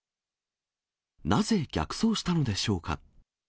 なぜ逆走したのでしょうか。